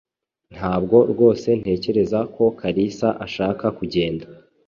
Ntabwo rwose ntekereza ko Kalisa ashaka kugenda.